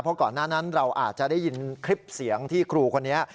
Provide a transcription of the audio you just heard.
เพราะก่อนหน้านั้นเราอาจจะได้ยินคลิปเสียงที่ครูคนนี้